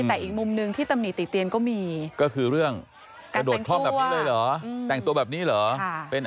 แต่อีกมุมหนึ่งที่ตำนีติเตียนก็มีก็คือเรื่องระโดดข้อมแบบนี้เลยเหรอ